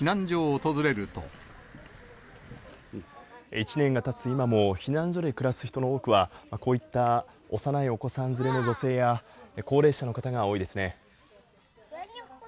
１年がたつ今も、避難所で暮らす人の多くは、こういった幼いお子さん連れの女性や、高齢者の方が多いですね。